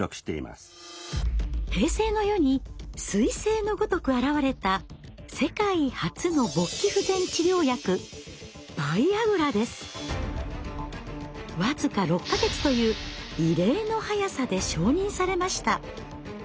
平成の世に彗星のごとく現れた世界初の勃起不全治療薬僅か６か月という異例の早さで承認されました。